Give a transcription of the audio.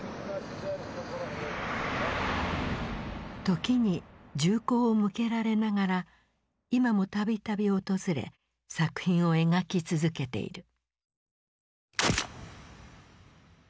時に銃口を向けられながら今も度々訪れ作品を描き続けている。